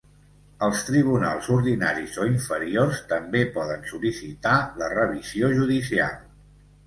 Els tribunals ordinaris o inferiors també poden sol·licitar la revisió judicial.